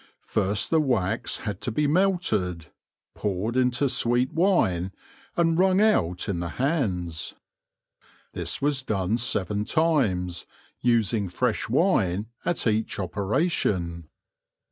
First the wax had to be melted, poured into sweet wine, and wrung out in the hands. This was done seven times, usin v fresh wine at each operation.